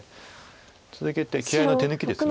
続けて気合いの手抜きです。